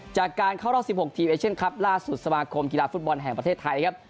จากการเข้ารอบ๑๖ทีมเอเชียนคลับล่าสุดสมาคมกีฬาฟุตบอลแห่งประเทศไทยครับ